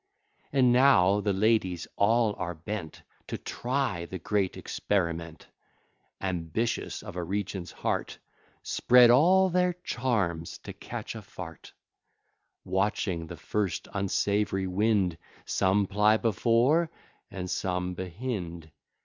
And now, the ladies all are bent, To try the great experiment, Ambitious of a regent's heart, Spread all their charms to catch a f Watching the first unsavoury wind, Some ply before, and some behind.